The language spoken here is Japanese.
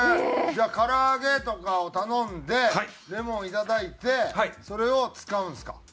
じゃあ唐揚げとかを頼んでレモン頂いてそれを使うんですか？